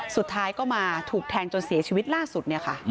สุดท้ายก็มาถูกแทงจนเสียชีวิตล่าสุด